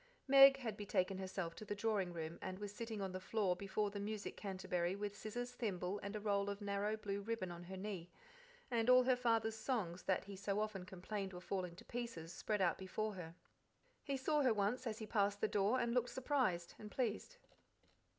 Meg had betaken herself to the drawing room, and was sitting on the floor before the music canterbury with scissors, thimble, and a roll of narrow blue ribbon on her knee, and all her father's songs, that he so often complained were falling to pieces, spread out before her. He saw her once as he passed the door, and looked surprised and pleased.